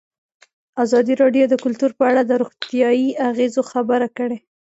ازادي راډیو د کلتور په اړه د روغتیایي اغېزو خبره کړې.